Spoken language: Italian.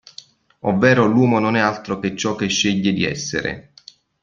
Ovvero l'uomo non è altro che ciò che sceglie di essere.